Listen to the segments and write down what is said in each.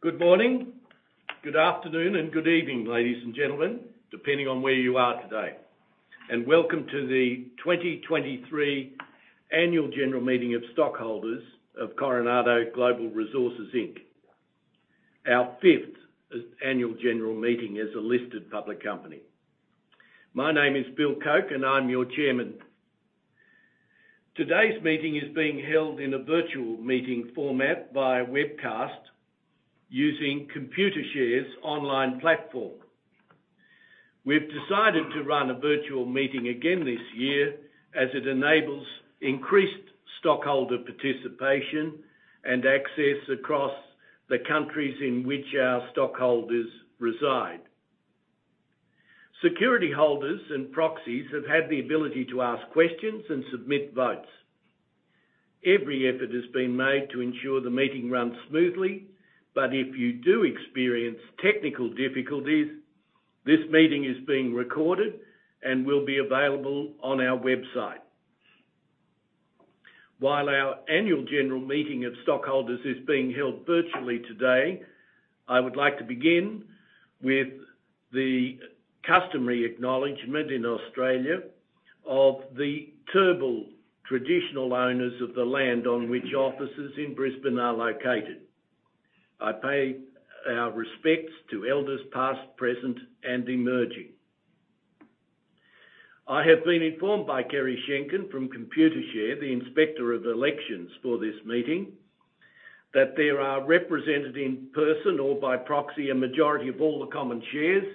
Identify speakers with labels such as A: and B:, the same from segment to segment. A: Good morning, good afternoon, and good evening, ladies and gentlemen, depending on where you are today. Welcome to the 2023 annual general meeting of stockholders of Coronado Global Resources Inc. Our 5th annual general meeting as a listed public company. My name is Bill Koeck, and I'm your chairman. Today's meeting is being held in a virtual meeting format via webcast using Computershare's online platform. We've decided to run a virtual meeting again this year as it enables increased stockholder participation and access across the countries in which our stockholders reside. Security holders and proxies have had the ability to ask questions and submit votes. Every effort has been made to ensure the meeting runs smoothly. If you do experience technical difficulties, this meeting is being recorded and will be available on our website. While our annual general meeting of stockholders is being held virtually today, I would like to begin with the customary acknowledgement in Australia of the Turrbal traditional owners of the land on which offices in Brisbane are located. I pay our respects to elders past, present, and emerging. I have been informed by Kerry Shenkin from Computershare, the Inspector of Elections for this meeting, that there are represented in person or by proxy, a majority of all the common shares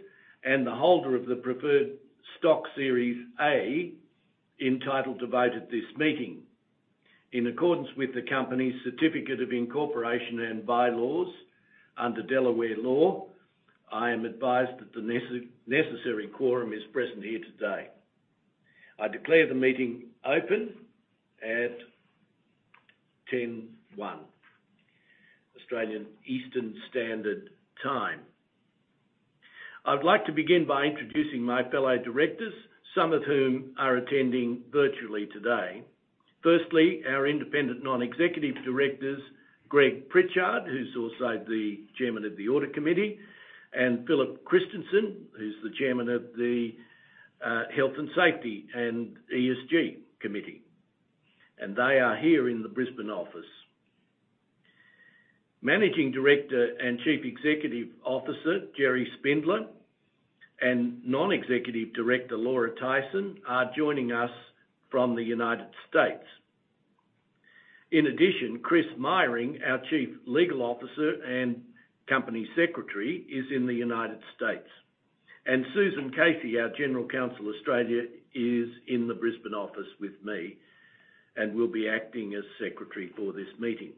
A: and the holder of the preferred stock Series A entitled to vote at this meeting. In accordance with the company's certificate of incorporation and bylaws under Delaware law, I am advised that the necessary quorum is present here today. I declare the meeting open at 10:01 A.M., Australian Eastern Standard Time. I'd like to begin by introducing my fellow directors, some of whom are attending virtually today. Firstly, our Independent Non-Executive Directors, Greg Pritchard, who's also the Chairman of the Audit Committee, and Philip Christensen, who's the Chairman of the Health and Safety and ESG Committee. They are here in the Brisbane office. Managing Director and Chief Executive Officer, Gerry Spindler, and Non-Executive Director, Laura Tyson, are joining us from the United States. In addition, Chris Meyering, our Chief Legal Officer and Company Secretary, is in the United States. Susan Casey, our General Counsel, Australia, is in the Brisbane office with me and will be acting as secretary for this meeting.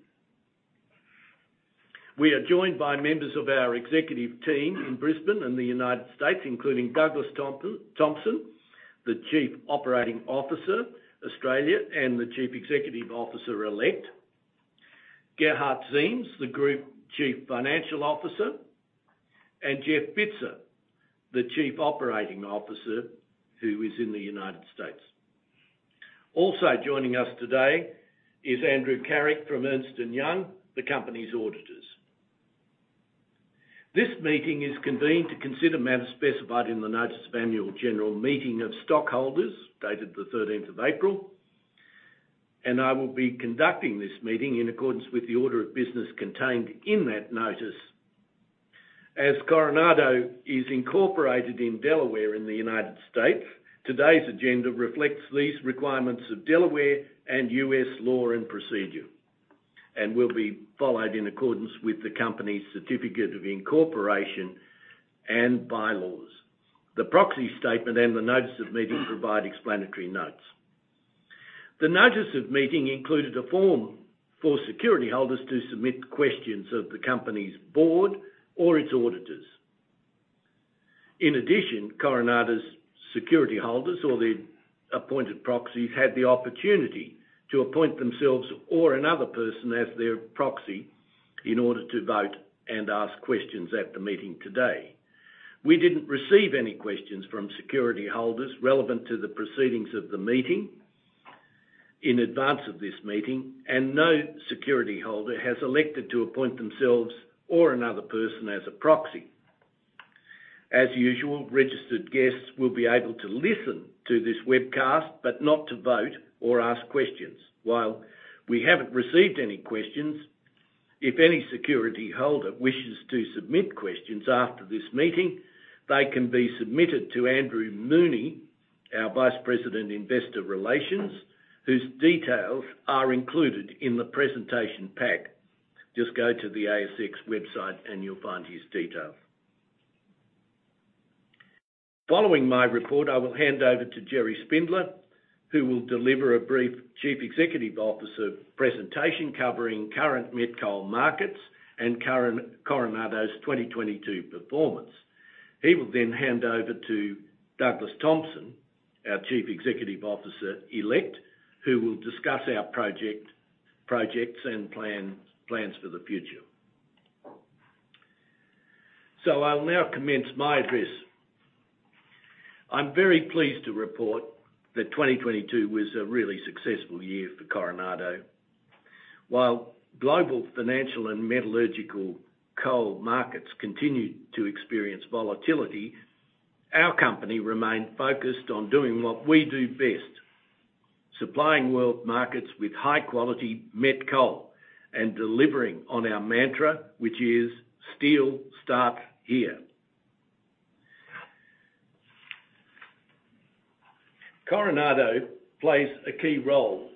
A: We are joined by members of our executive team in Brisbane and the United States, including Douglas Thompson, the Chief Operating Officer, Australia, and the Chief Executive Officer-elect. Gerhard Ziems, the Group Chief Financial Officer, and Jeff Bitzer, the Chief Operating Officer, who is in the United States. Also joining us today is Andrew Carrick from Ernst & Young, the company's auditors. This meeting is convened to consider matters specified in the notice of annual general meeting of stockholders dated the 13th of April, and I will be conducting this meeting in accordance with the order of business contained in that notice. As Coronado is incorporated in Delaware in the United States, today's agenda reflects these requirements of Delaware and U.S. law and procedure and will be followed in accordance with the company's certificate of incorporation and bylaws. The proxy statement and the notice of meeting provide explanatory notes. The notice of meeting included a form for security holders to submit questions of the company's board or its auditors. In addition, Coronado's security holders or their appointed proxies had the opportunity to appoint themselves or another person as their proxy in order to vote and ask questions at the meeting today. We didn't receive any questions from security holders relevant to the proceedings of the meeting in advance of this meeting, and no security holder has elected to appoint themselves or another person as a proxy. As usual, registered guests will be able to listen to this webcast, but not to vote or ask questions. While we haven't received any questions, if any security holder wishes to submit questions after this meeting, they can be submitted to Andrew Mooney, our Vice President, Investor Relations, whose details are included in the presentation pack. Just go to the ASX website and you'll find his details. Following my report, I will hand over to Gerry Spindler, who will deliver a brief Chief Executive Officer presentation covering current met coal markets and Coronado's 2022 performance. He will then hand over to Douglas Thompson, our Chief Executive Officer-elect, who will discuss our projects and plans for the future. I'll now commence my address. I'm very pleased to report that 2022 was a really successful year for Coronado. While global financial and metallurgical coal markets continued to experience volatility, our company remained focused on doing what we do best, supplying world markets with high-quality met coal and delivering on our mantra, which is, "Steel starts here." Coronado plays a key role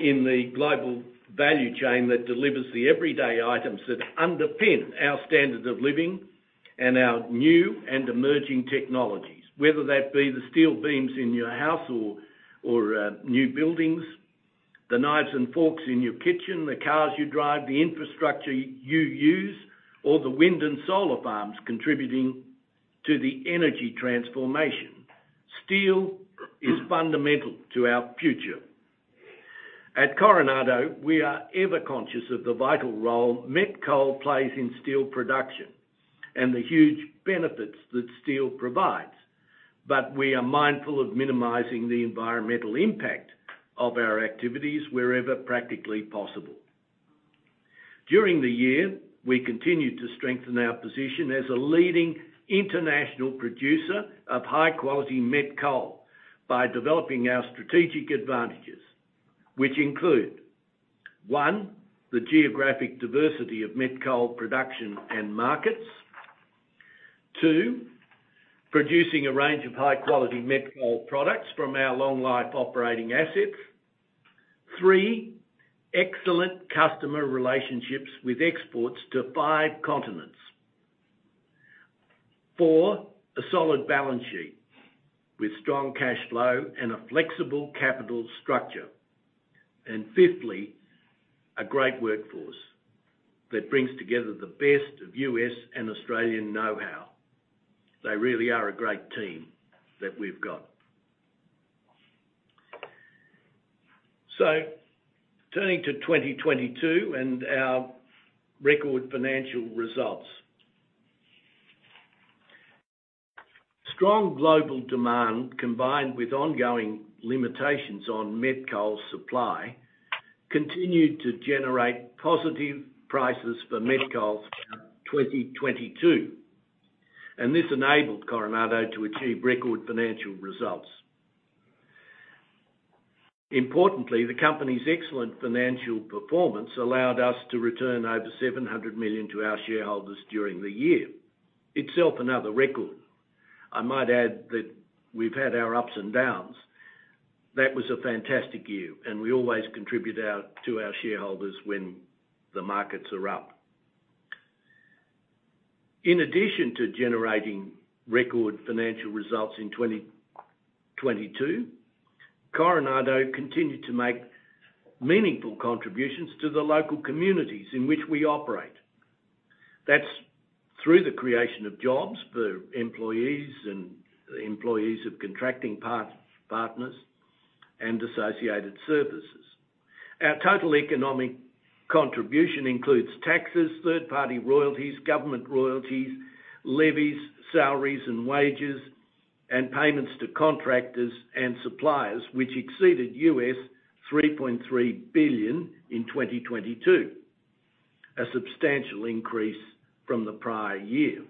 A: in the global value chain that delivers the everyday items that underpin our standard of living and our new and emerging technologies, whether that be the steel beams in your house or, new buildings, the knives and forks in your kitchen, the cars you drive, the infrastructure you use, or the wind and solar farms contributing to the energy transformation. Steel is fundamental to our future. At Coronado, we are ever conscious of the vital role met coal plays in steel production and the huge benefits that steel provides. We are mindful of minimizing the environmental impact of our activities wherever practically possible. During the year, we continued to strengthen our position as a leading international producer of high-quality met coal by developing our strategic advantages, which include, 1, the geographic diversity of met coal production and markets. Two, producing a range of high-quality met coal products from our long life operating assets. Three, excellent customer relationships with exports to five continents. Six, a solid balance sheet with strong cash flow and a flexible capital structure. Fifthly, a great workforce that brings together the best of U.S. and Australian know-how. They really are a great team that we've got. Turning to 2022 and our record financial results. Strong global demand, combined with ongoing limitations on met coal supply, continued to generate positive prices for met coal throughout 2022, and this enabled Coronado to achieve record financial results. The company's excellent financial performance allowed us to return over $700 million to our shareholders during the year, itself another record. I might add that we've had our ups and downs. That was a fantastic year, we always contribute to our shareholders when the markets are up. In addition to generating record financial results in 2022, Coronado continued to make meaningful contributions to the local communities in which we operate. That's through the creation of jobs for employees and employees of contracting partners and associated services. Our total economic contribution includes taxes, third-party royalties, government royalties, levies, salaries and wages, and payments to contractors and suppliers, which exceeded US$3.3 billion in 2022, a substantial increase from the prior year.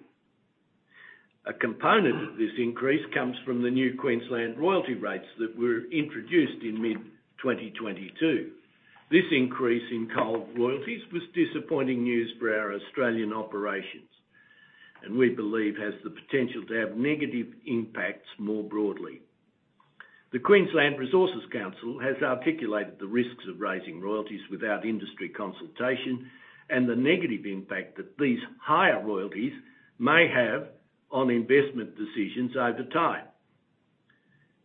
A: A component of this increase comes from the new Queensland royalty rates that were introduced in mid-2022. This increase in coal royalties was disappointing news for our Australian operations and we believe has the potential to have negative impacts more broadly. The Queensland Resources Council has articulated the risks of raising royalties without industry consultation and the negative impact that these higher royalties may have on investment decisions over time.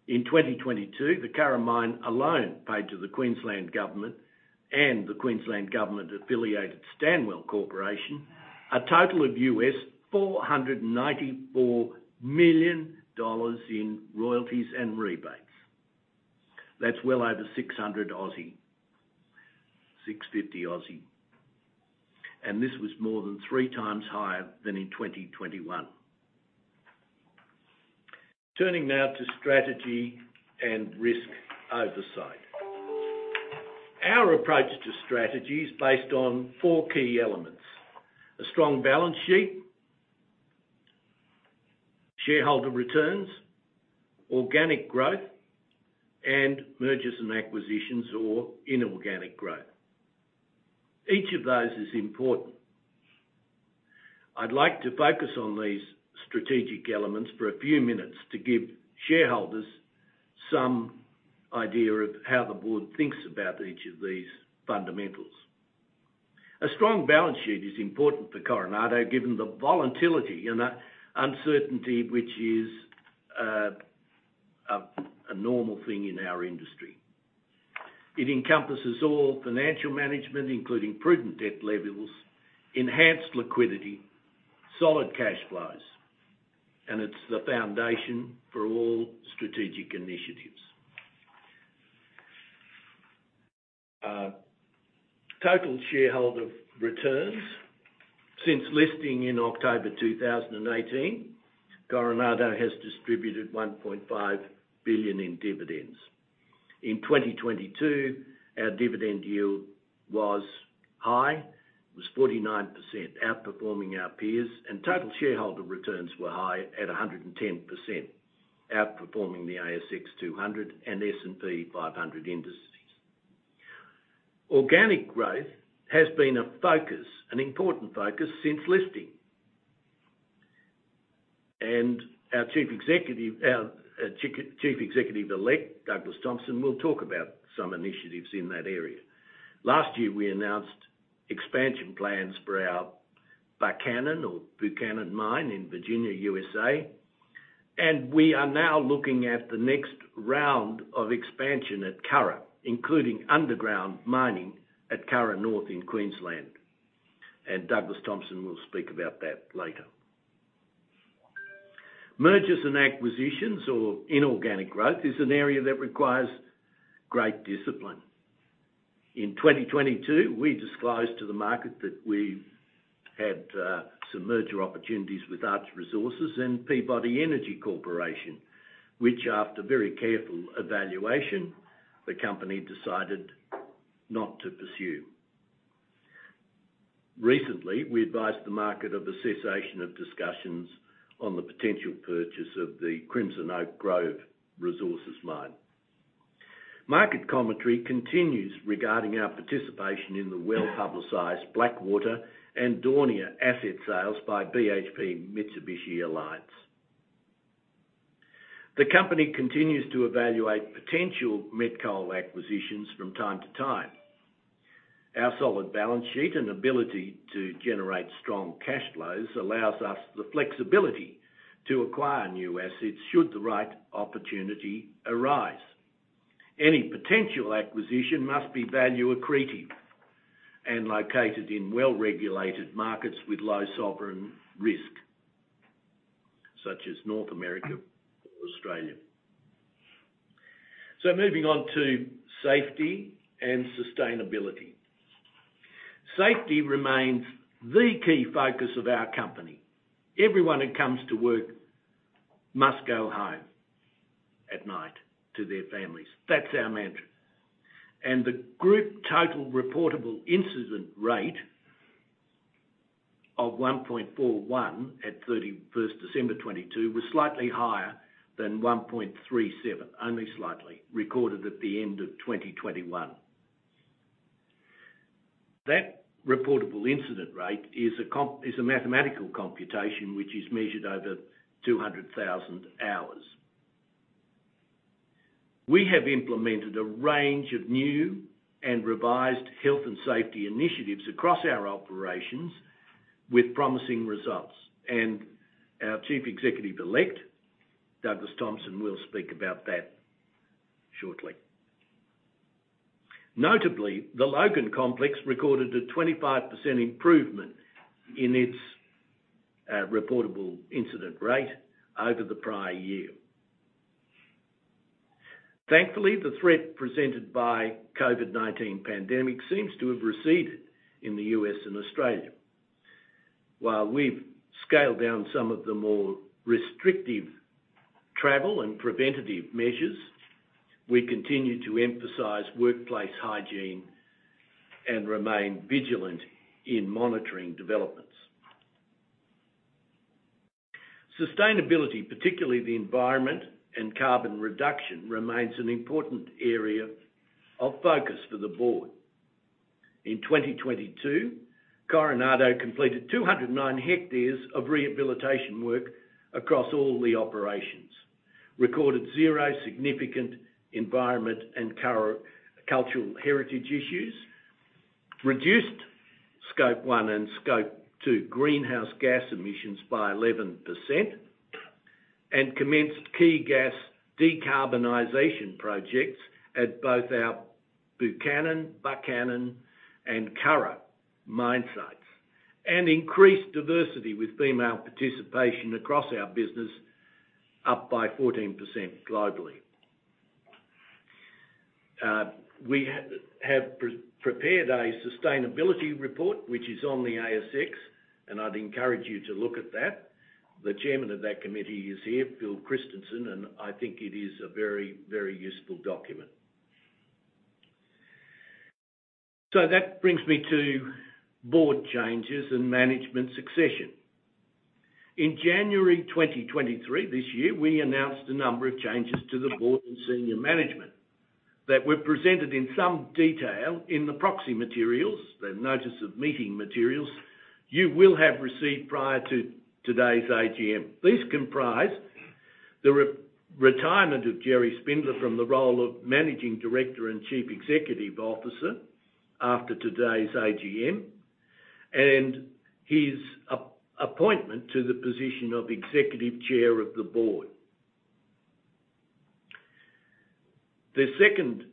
A: In 2022, the Curragh Mine alone paid to the Queensland Government and the Queensland government-affiliated Stanwell Corporation, a total of $494 million in royalties and rebates. That's well over 600, 650. This was more than three times higher than in 2021. Turning now to strategy and risk oversight. Our approach to strategy is based on four key elements: a strong balance sheet, shareholder returns, organic growth, and mergers and acquisitions or inorganic growth. Each of those is important. I'd like to focus on these strategic elements for a few minutes to give shareholders some idea of how the board thinks about each of these fundamentals. A strong balance sheet is important for Coronado, given the volatility and uncertainty which is a normal thing in our industry. It encompasses all financial management, including prudent debt levels, enhanced liquidity, solid cash flows, and it's the foundation for all strategic initiatives. Total shareholder returns. Since listing in October 2018, Coronado has distributed $1.5 billion in dividends. In 2022, our dividend yield was high, it was 49%, outperforming our peers, and total shareholder returns were high at 110%, outperforming the ASX 200 and S&P 500 industries. Organic growth has been a focus, an important focus since listing. Our Chief Executive-elect, Douglas Thompson, will talk about some initiatives in that area. Last year, we announced expansion plans for our Buchanan mine in Virginia, USA, and we are now looking at the next round of expansion at Curragh, including underground mining at Curragh North in Queensland. Douglas Thompson will speak about that later. Mergers and acquisitions or inorganic growth is an area that requires great discipline. In 2022, we disclosed to the market that we had some merger opportunities with Arch Resources and Peabody Energy Corporation, which after very careful evaluation, the company decided not to pursue. Recently, we advised the market of the cessation of discussions on the potential purchase of the Crimson Oak Grove Resources mine. Market commentary continues regarding our participation in the well-publicized Blackwater and Daunia asset sales by BHP Mitsubishi Alliance. The company continues to evaluate potential met coal acquisitions from time to time. Our solid balance sheet and ability to generate strong cash flows allows us the flexibility to acquire new assets should the right opportunity arise. Any potential acquisition must be value accretive and located in well-regulated markets with low sovereign risk, such as North America or Australia. Moving on to safety and sustainability. Safety remains the key focus of our company. Everyone who comes to work must go home at night to their families. That's our mantra. The group Total Recordable Incident Rate of 1.41 at 31st December 2022 was slightly higher than 1.37, only slightly, recorded at the end of 2021. That reportable incident rate is a mathematical computation which is measured over 200,000 hours. We have implemented a range of new and revised health and safety initiatives across our operations with promising results, and our Chief Executive-elect, Douglas Thompson, will speak about that shortly. Notably, the Logan Complex recorded a 25% improvement in its reportable incident rate over the prior year. Thankfully, the threat presented by COVID-19 pandemic seems to have receded in the U.S. and Australia. While we've scaled down some of the more restrictive travel and preventative measures, we continue to emphasize workplace hygiene and remain vigilant in monitoring developments. Sustainability, particularly the environment and carbon reduction, remains an important area of focus for the board. In 2022, Coronado completed 209 hectares of rehabilitation work across all the operations. Recorded zero significant environment and cultural heritage issues. Reduced Scope one and Scope two greenhouse gas emissions by 11%, commenced key gas decarbonization projects at both our Buchanan and Curragh mine sites. Increased diversity with female participation across our business, up by 14% globally. We have pre-prepared a sustainability report which is on the ASX. I'd encourage you to look at that. The chairman of that committee is here, Phil Christensen. I think it is a very useful document. That brings me to board changes and management succession. In January 2023, this year, we announced a number of changes to the board and senior management that were presented in some detail in the proxy materials, the notice of meeting materials you will have received prior to today's AGM. These comprise the re-retirement of Gerry Spindler from the role of Managing Director and Chief Executive Officer after today's AGM, and his appointment to the position of Executive Chair of the board. The second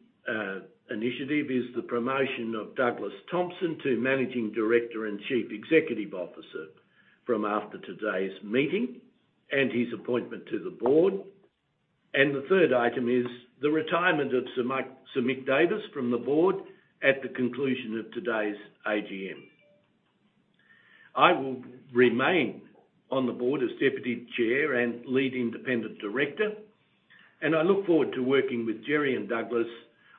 A: initiative is the promotion of Douglas Thompson to Managing Director and Chief Executive Officer from after today's meeting, and his appointment to the board. The third item is the retirement of Sir Mick Davis from the board at the conclusion of today's AGM. I will remain on the board as Deputy Chair and Lead Independent Director, and I look forward to working with Gerry and Douglas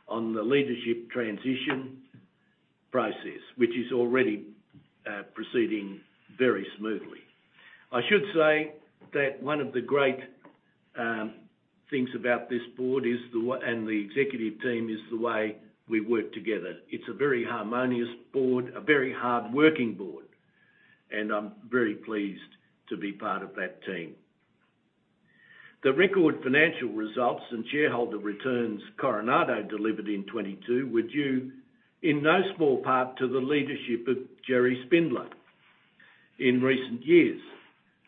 A: on the leadership transition process, which is already proceeding very smoothly. I should say that one of the great things about this board is the and the executive team, is the way we work together. It's a very harmonious board, a very hardworking board, and I'm very pleased to be part of that team. The record financial results and shareholder returns Coronado delivered in 2022 were due in no small part to the leadership of Gerry Spindler in recent years.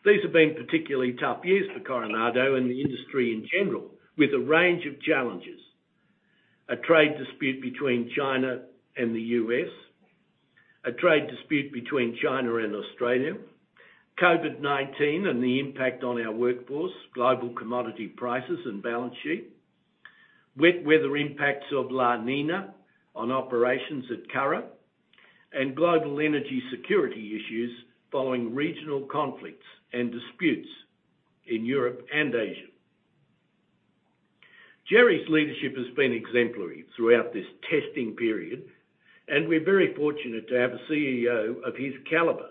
A: These have been particularly tough years for Coronado and the industry in general, with a range of challenges: a trade dispute between China and the U.S., a trade dispute between China and Australia, COVID-19 and the impact on our workforce, global commodity prices and balance sheet, wet weather impacts of La Niña on operations at Curragh, and global energy security issues following regional conflicts and disputes in Europe and Asia. Gerry's leadership has been exemplary throughout this testing period, and we're very fortunate to have a CEO of his caliber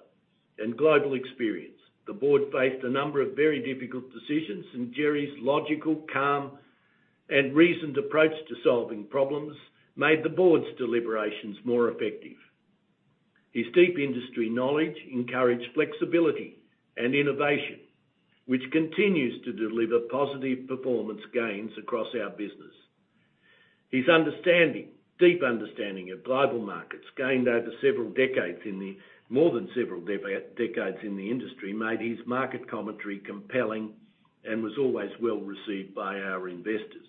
A: and global experience. The board faced a number of very difficult decisions. Gerry's logical, calm, and reasoned approach to solving problems made the board's deliberations more effective. His deep industry knowledge encouraged flexibility and innovation, which continues to deliver positive performance gains across our business. His deep understanding of global markets gained over several decades in the more than several decades in the industry, made his market commentary compelling and was always well-received by our investors.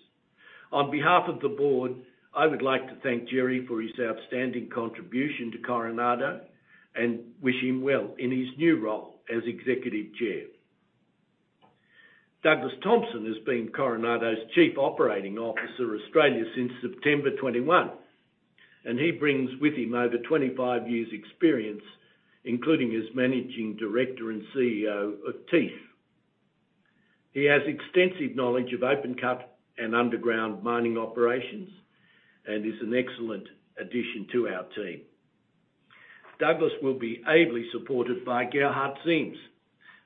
A: On behalf of the board, I would like to thank Gerry for his outstanding contribution to Coronado and wish him well in his new role as Executive Chair. Douglas Thompson has been Coronado's Chief Operating Officer, Australia since September 2021. He brings with him over 25 years' experience, including as Managing Director and CEO of Tenix. He has extensive knowledge of open cut and underground mining operations and is an excellent addition to our team. Douglas will be ably supported by Gerhard Ziems,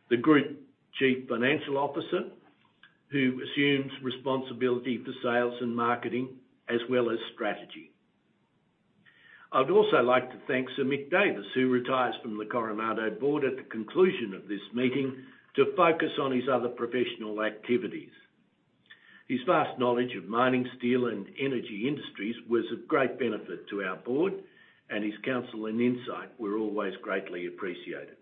A: the Group Chief Financial Officer, who assumes responsibility for sales and marketing as well as strategy. I'd also like to thank Sir Mick Davis, who retires from the Coronado board at the conclusion of this meeting to focus on his other professional activities. His vast knowledge of mining, steel, and energy industries was of great benefit to our board, and his counsel and insight were always greatly appreciated.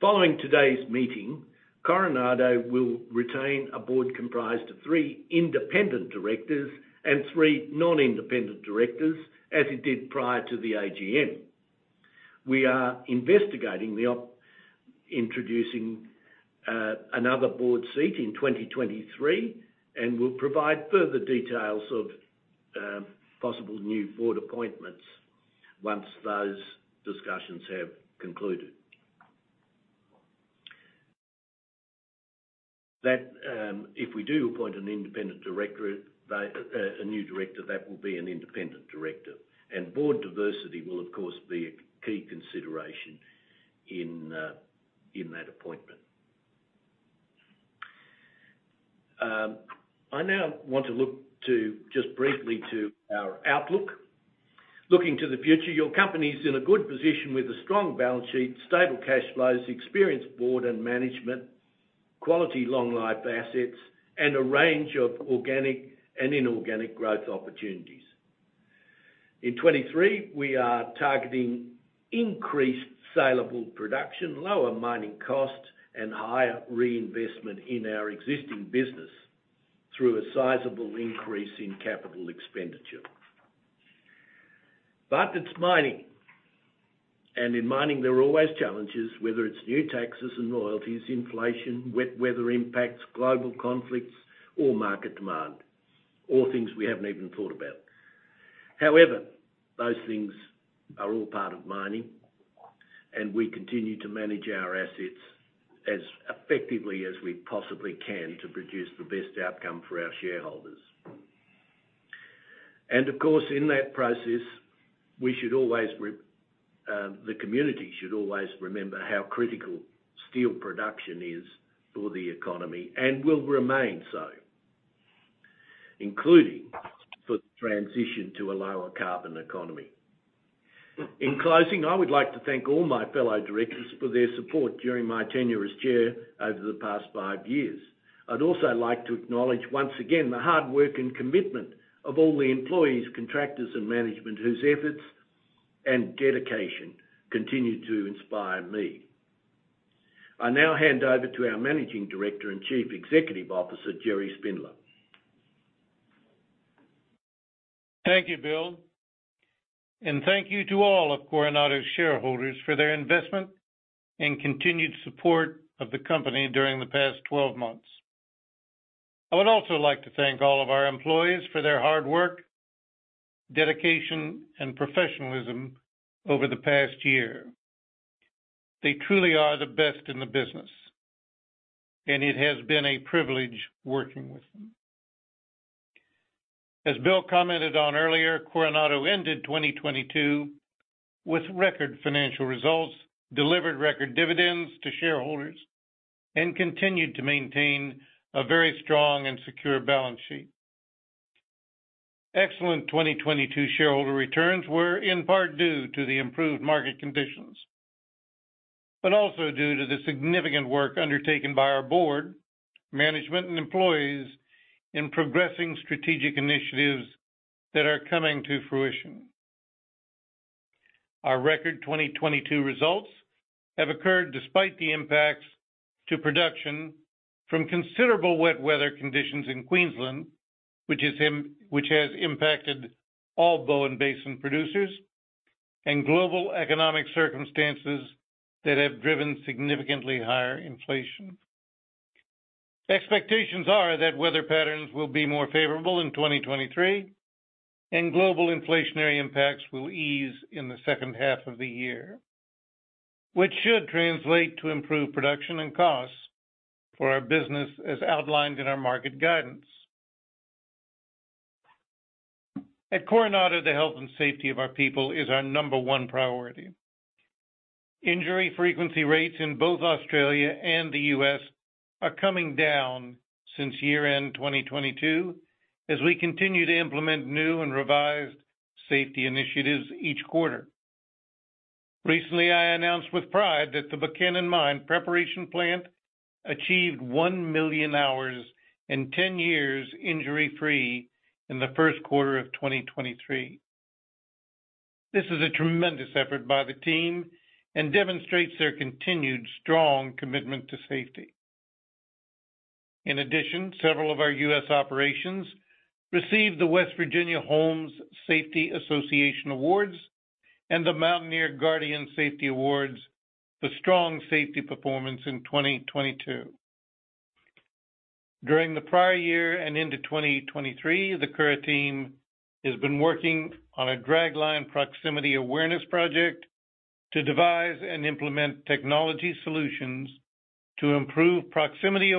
A: Following today's meeting, Coronado will retain a board comprised of three independent directors and three non-independent directors, as it did prior to the AGM. We are investigating introducing another board seat in 2023 and will provide further details of possible new board appointments once those discussions have concluded. If we do appoint an independent director, a new director, that will be an independent director. Board diversity will, of course, be a key consideration in that appointment. I now want to look to, just briefly to our outlook. Looking to the future, your company is in a good position with a strong balance sheet, stable cash flows, experienced board and management, quality long-life assets, and a range of organic and inorganic growth opportunities. In 2023, we are targeting increased saleable production, lower mining costs, and higher reinvestment in our existing business through a sizable increase in capital expenditure. It's mining, and in mining there are always challenges, whether it's new taxes and royalties, inflation, wet weather impacts, global conflicts or market demand, or things we haven't even thought about. However, those things are all part of mining, and we continue to manage our assets as effectively as we possibly can to produce the best outcome for our shareholders. Of course, in that process, the community should always remember how critical steel production is for the economy and will remain so, including for the transition to a lower carbon economy. In closing, I would like to thank all my fellow directors for their support during my tenure as Chair over the past five years. I'd also like to acknowledge once again the hard work and commitment of all the employees, contractors, and management whose efforts and dedication continue to inspire me. I now hand over to our Managing Director and Chief Executive Officer, Gerry Spindler.
B: Thank you, Bill. Thank you to all of Coronado's shareholders for their investment and continued support of the company during the past 12 months. I would also like to thank all of our employees for their hard work, dedication, and professionalism over the past year. They truly are the best in the business, and it has been a privilege working with them. As Bill commented on earlier, Coronado ended 2022 with record financial results, delivered record dividends to shareholders, and continued to maintain a very strong and secure balance sheet. Excellent 2022 shareholder returns were in part due to the improved market conditions, but also due to the significant work undertaken by our board, management, and employees in progressing strategic initiatives that are coming to fruition. Our record 2022 results have occurred despite the impacts to production from considerable wet weather conditions in Queensland, which has impacted all Bowen Basin producers and global economic circumstances that have driven significantly higher inflation. The expectations are that weather patterns will be more favorable in 2023 and global inflationary impacts will ease in the second half of the year, which should translate to improved production and costs for our business as outlined in our market guidance. At Coronado, the health and safety of our people is our number one priority. Injury frequency rates in both Australia and the U.S. are coming down since year-end 2022 as we continue to implement new and revised safety initiatives each quarter. Recently, I announced with pride that the Buchanan Mine preparation plant achieved one million hours and 10 years injury-free in the first quarter of 2023. This is a tremendous effort by the team and demonstrates their continued strong commitment to safety. In addition, several of our U.S. operations received the West Virginia Homes Safety Association Awards and the Mountaineer Guardian Safety Awards for strong safety performance in 2022. During the prior year and into 2023, the Curragh team has been working on a dragline proximity awareness project to devise and implement technology solutions to improve proximity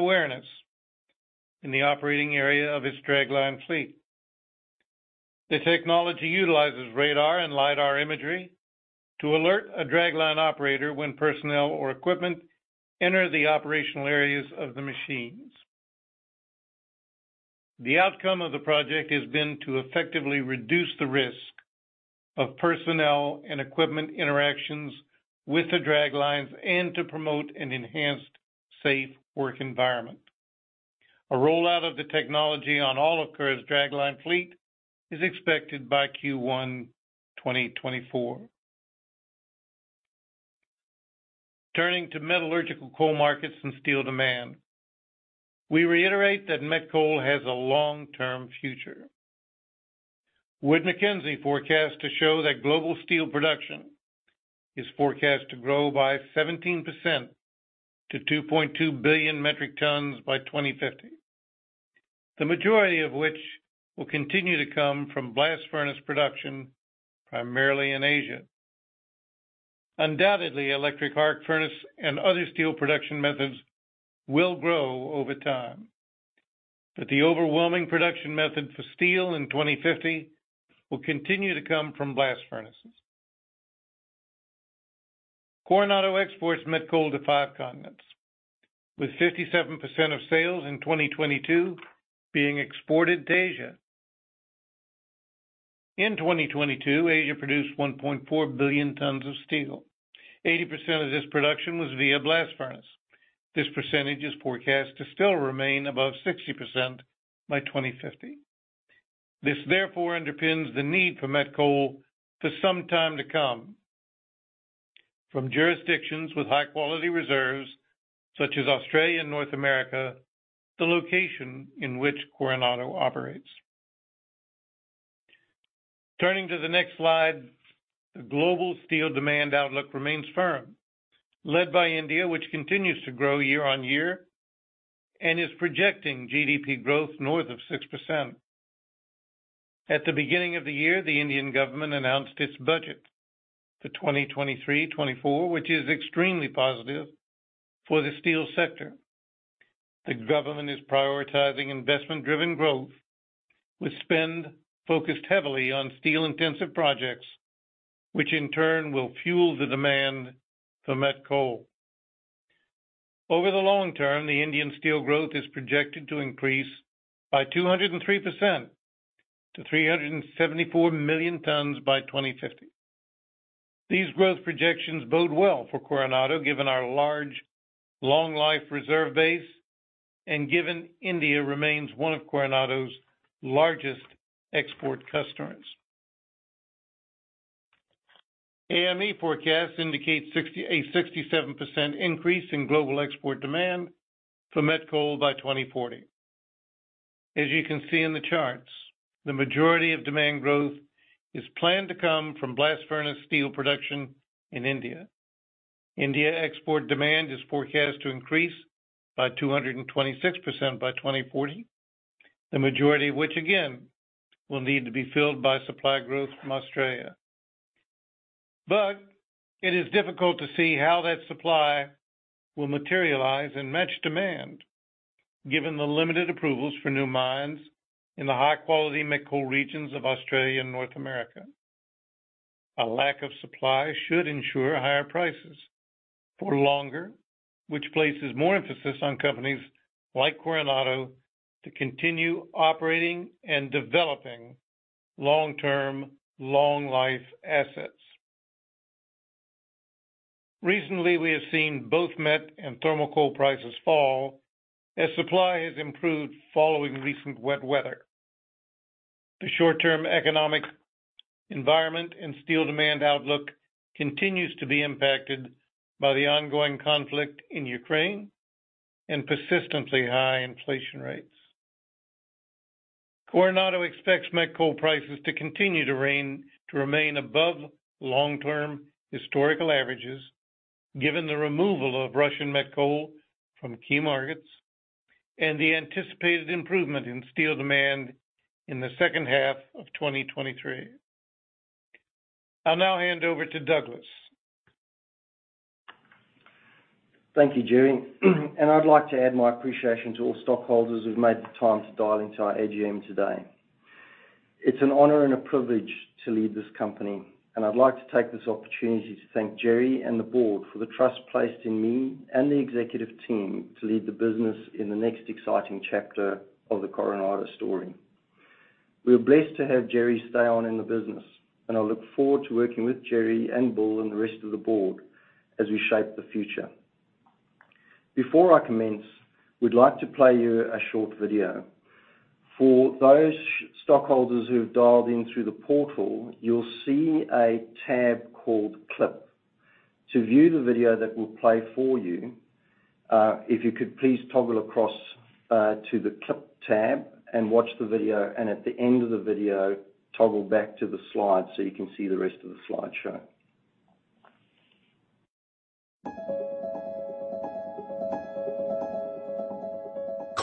B: awareness in the operating area of its dragline fleet. The technology utilizes radar and lidar imagery to alert a dragline operator when personnel or equipment enter the operational areas of the machines. The outcome of the project has been to effectively reduce the risk of personnel and equipment interactions with the draglines and to promote an enhanced, safe work environment. A rollout of the technology on all of Curragh's dragline fleet is expected by Q1 2024. Turning to metallurgical coal markets and steel demand. We reiterate that met coal has a long-term future. Wood Mackenzie forecast to show that global steel production is forecast to grow by 17% to 2.2 billion metric tons by 2050. The majority of which will continue to come from blast furnace production, primarily in Asia. Undoubtedly, electric arc furnace and other steel production methods will grow over time. The overwhelming production method for steel in 2050 will continue to come from blast furnaces. Coronado exports met coal to five continents, with 57% of sales in 2022 being exported to Asia. In 2022, Asia produced 1.4 billion tons of steel. 80% of this production was via blast furnace. This percentage is forecast to still remain above 60% by 2050. This therefore underpins the need for met coal for some time to come. From jurisdictions with high-quality reserves, such as Australia and North America, the location in which Coronado operates. Turning to the next slide, the global steel demand outlook remains firm, led by India, which continues to grow year-over-year and is projecting GDP growth north of 6%. At the beginning of the year, the Indian government announced its budget for 2023/2024, which is extremely positive for the steel sector. The government is prioritizing investment-driven growth with spend focused heavily on steel-intensive projects, which in turn will fuel the demand for met coal. Over the long term, the Indian steel growth is projected to increase by 203% to 374 million tons by 2050. These growth projections bode well for Coronado, given our large, long life reserve base and given India remains one of Coronado's largest export customers. AME forecasts indicate a 67% increase in global export demand for met coal by 2040. As you can see in the charts, the majority of demand growth is planned to come from blast furnace steel production in India. India export demand is forecast to increase by 226% by 2040. The majority of which, again, will need to be filled by supply growth from Australia. It is difficult to see how that supply will materialize and match demand, given the limited approvals for new mines in the high-quality met coal regions of Australia and North America. A lack of supply should ensure higher prices for longer, which places more emphasis on companies like Coronado to continue operating and developing long-term, long-life assets. Recently, we have seen both met and thermal coal prices fall as supply has improved following recent wet weather. The short-term economic environment and steel demand outlook continues to be impacted by the ongoing conflict in Ukraine and persistently high inflation rates. Coronado expects met coal prices to continue to remain above long-term historical averages, given the removal of Russian met coal from key markets and the anticipated improvement in steel demand in the second half of 2023. I'll now hand over to Douglas.
C: Thank you, Gerry. I'd like to add my appreciation to all stockholders who've made the time to dial into our AGM today. It's an honor and a privilege to lead this company, and I'd like to take this opportunity to thank Gerry and the board for the trust placed in me and the executive team to lead the business in the next exciting chapter of the Coronado story. We are blessed to have Gerry stay on in the business, and I look forward to working with Gerry and Bull and the rest of the board as we shape the future. Before I commence, we'd like to play you a short video. For those stockholders who have dialed in through the portal, you'll see a tab called Clip. To view the video that we'll play for you, if you could please toggle across, to the Clip tab and watch the video, and at the end of the video, toggle back to the slides so you can see the rest of the slideshow.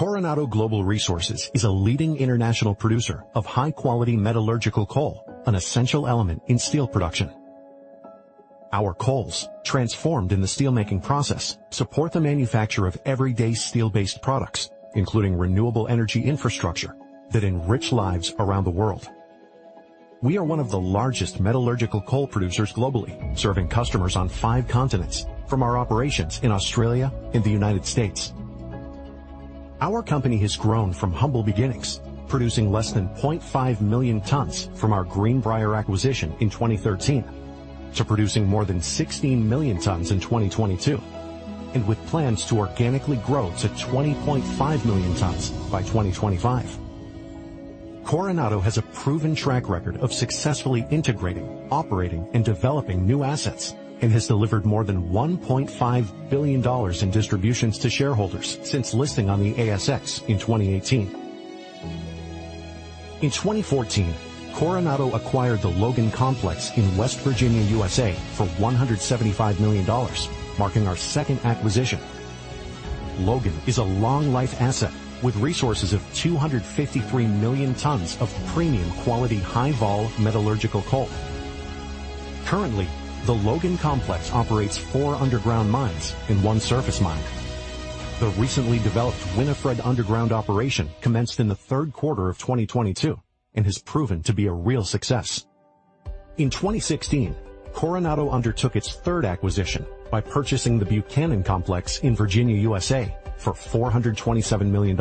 D: Coronado Global Resources is a leading international producer of high-quality metallurgical coal, an essential element in steel production. Our coals, transformed in the steelmaking process, support the manufacture of everyday steel-based products, including renewable energy infrastructure that enrich lives around the world. We are one of the largest metallurgical coal producers globally, serving customers on five continents from our operations in Australia and the United States. Our company has grown from humble beginnings, producing less than 0.5 million tons from our Greenbrier acquisition in 2013 to producing more than 16 million tons in 2022, and with plans to organically grow to 20.5 million tons by 2025. Coronado has a proven track record of successfully integrating, operating, and developing new assets and has delivered more than $1.5 billion in distributions to shareholders since listing on the ASX in 2018. In 2014, Coronado acquired the Logan Complex in West Virginia, U.S.A., for $175 million, marking our second acquisition. Logan is a long-life asset with resources of 253 million tons of premium quality, high-vol metallurgical coal. Currently, the Logan Complex operates four underground mines and one surface mine. The recently developed Winifred underground operation commenced in the third quarter of 2022 and has proven to be a real success. In 2016, Coronado undertook its third acquisition by purchasing the Buchanan Complex in Virginia, U.S.A., for $427 million.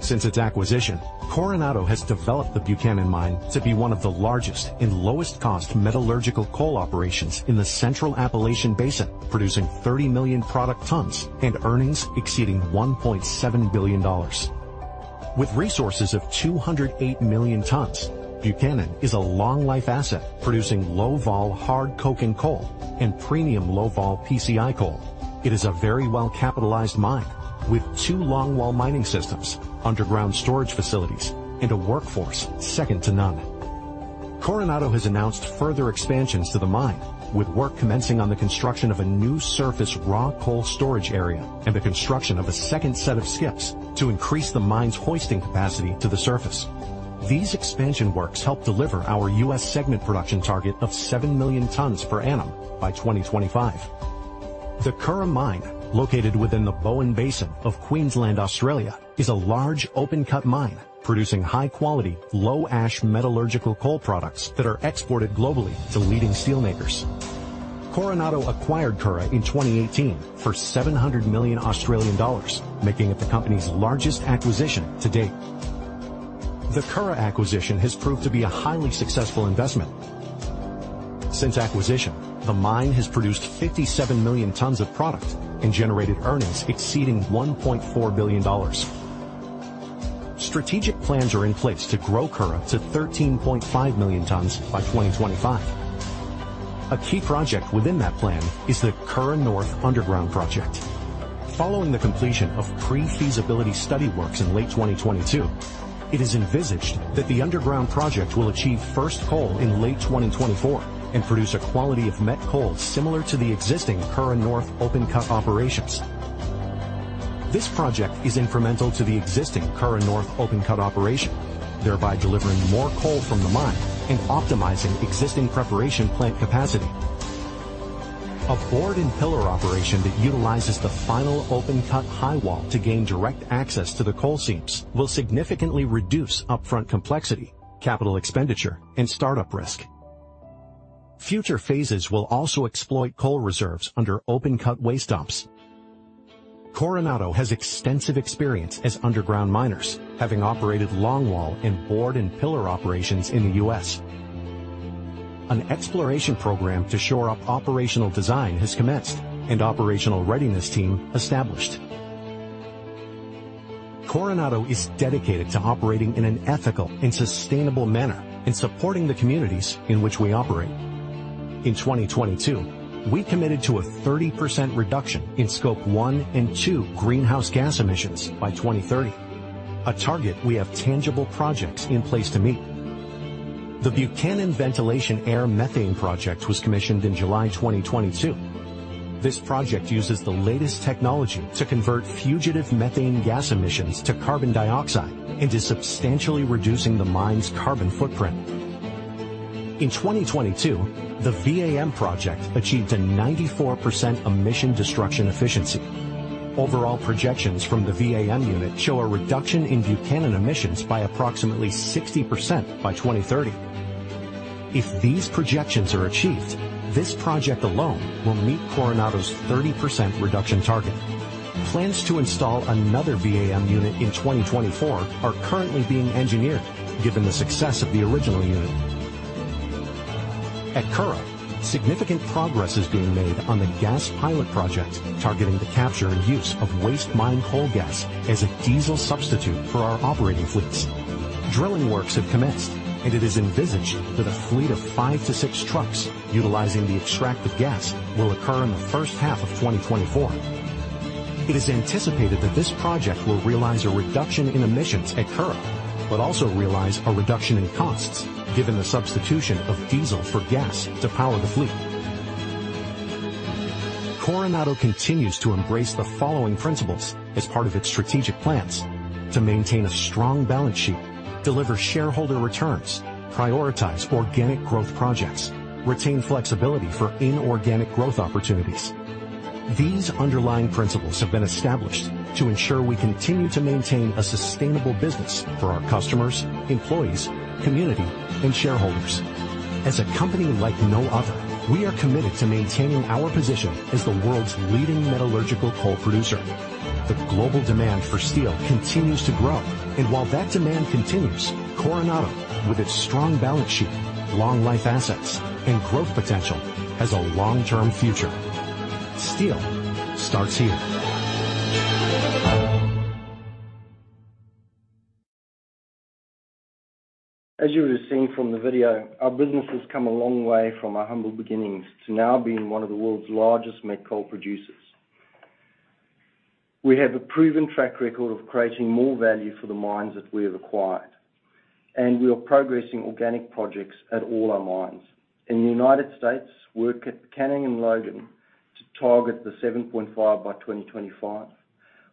D: Since its acquisition, Coronado has developed the Buchanan mine to be one of the largest and lowest-cost metallurgical coal operations in the Central Appalachian Basin, producing 30 million product tons and earnings exceeding $1.7 billion. With resources of 208 million tons, Buchanan is a long-life asset producing low-vol hard coke and coal and premium low-vol PCI coal. It is a very well-capitalized mine with two longwall mining systems, underground storage facilities, and a workforce second to none. Coronado has announced further expansions to the mine with work commencing on the construction of a new surface raw coal storage area and the construction of a second set of skips to increase the mine's hoisting capacity to the surface. These expansion works help deliver our U.S. segment production target of seven million tons per annum by 2025. The Curragh Mine, located within the Bowen Basin of Queensland, Australia, is a large open-cut mine producing high-quality, low-ash metallurgical coal products that are exported globally to leading steel makers. Coronado acquired Curragh in 2018 for 700 million Australian dollars, making it the company's largest acquisition to date. The Curragh acquisition has proved to be a highly successful investment. Since acquisition, the mine has produced 57 million tons of product and generated earnings exceeding $1.4 billion. Strategic plans are in place to grow Curragh to 13.5 million tons by 2025. A key project within that plan is the Curragh North Underground Project. Following the completion of pre-feasibility study works in late 2022, it is envisaged that the underground project will achieve first coal in late 2024 and produce a quality of met coal similar to the existing Curragh North open cut operations. This project is incremental to the existing Curragh North open cut operation, thereby delivering more coal from the mine and optimizing existing preparation plant capacity. A bord and pillar operation that utilizes the final open cut high wall to gain direct access to the coal seams will significantly reduce upfront complexity, capital expenditure and startup risk. Future phases will also exploit coal reserves under open cut waste dumps. Coronado has extensive experience as underground miners, having operated longwall and bord and pillar operations in the U.S. An exploration program to shore up operational design has commenced, and operational readiness team established. Coronado is dedicated to operating in an ethical and sustainable manner and supporting the communities in which we operate. In 2022, we committed to a 30% reduction in Scope one and two greenhouse gas emissions by 2030. A target we have tangible projects in place to meet. The Buchanan Ventilation Air Methane project was commissioned in July 2022. This project uses the latest technology to convert fugitive methane gas emissions to carbon dioxide and is substantially reducing the mine's carbon footprint. In 2022, the VAM project achieved a 94% emission destruction efficiency. Overall projections from the VAM unit show a reduction in Buchanan emissions by approximately 60% by 2030. If these projections are achieved, this project alone will meet Coronado's 30% reduction target. Plans to install another VAM unit in 2024 are currently being engineered, given the success of the original unit. At Curragh, significant progress is being made on the gas pilot project, targeting the capture and use of waste mine coal gas as a diesel substitute for our operating fleets. Drilling works have commenced, and it is envisaged that a fleet of five to six trucks utilizing the extracted gas will occur in the first half of 2024. It is anticipated that this project will realize a reduction in emissions at Curragh, but also realize a reduction in costs given the substitution of diesel for gas to power the fleet. Coronado continues to embrace the following principles as part of its strategic plans: to maintain a strong balance sheet, deliver shareholder returns, prioritize organic growth projects, retain flexibility for inorganic growth opportunities. These underlying principles have been established to ensure we continue to maintain a sustainable business for our customers, employees, community and shareholders. As a company like no other, we are committed to maintaining our position as the world's leading metallurgical coal producer. The global demand for steel continues to grow, and while that demand continues, Coronado, with its strong balance sheet, long life assets and growth potential, has a long-term future. Steel starts here.
C: As you would have seen from the video, our business has come a long way from our humble beginnings to now being one of the world's largest met coal producers. We have a proven track record of creating more value for the mines that we have acquired. We are progressing organic projects at all our mines. In the U.S., work at Buchanan and Logan to target the 7.5 by 2025.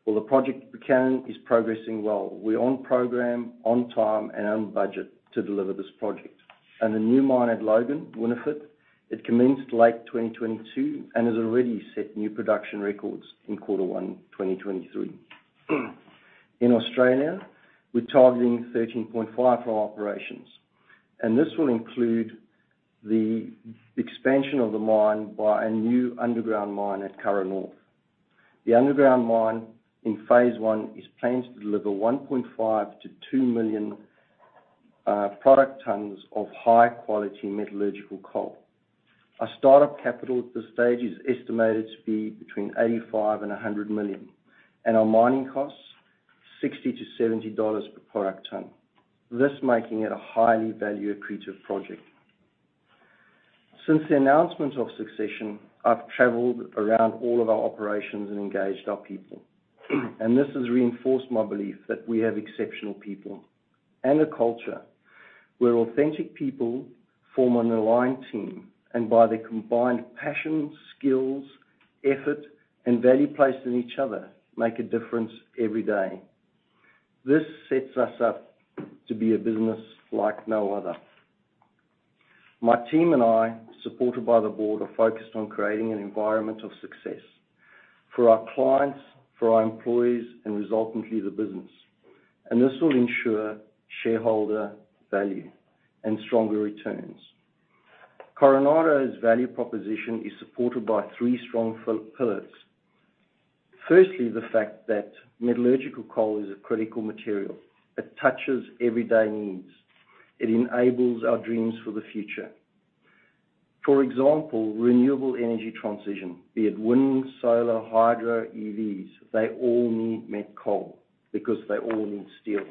C: Well, the project at Buchanan is progressing well. We're on program, on time, and on budget to deliver this project. The new mine at Logan, Winifred, it commenced late 2022 and has already set new production records in Q1 2023. In Australia, we're targeting 13.5 for our operations. This will include the expansion of the mine by a new underground mine at Curragh North. The underground mine in phase one is planned to deliver 1.5-two million product tonnes of high-quality metallurgical coal. Our start-up capital at this stage is estimated to be between $85 million and $100 million, and our mining costs, $60-$70 per product tonne, this making it a highly value-accretive project. Since the announcement of succession, I've traveled around all of our operations and engaged our people. This has reinforced my belief that we have exceptional people and a culture where authentic people form an aligned team and by their combined passion, skills, effort, and value placed in each other, make a difference every day. This sets us up to be a business like no other. My team and I, supported by the board, are focused on creating an environment of success for our clients, for our employees, and resultantly the business, and this will ensure shareholder value and stronger returns. Coronado's value proposition is supported by three strong pillars. Firstly, the fact that metallurgical coal is a critical material. It touches everyday needs. It enables our dreams for the future. For example, renewable energy transition, be it wind, solar, hydro, EVs, they all need met coal because they all need steel.